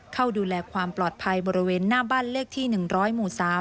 เข้าดูแลความปลอดภัยบริเวณหน้าบ้านเลขที่๑๐๐หมู่๓